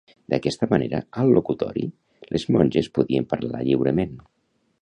D'aquesta manera, al locutori, les monges podien parlar lliurement.